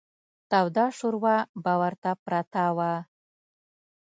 توده شوروا به ورته پرته وه.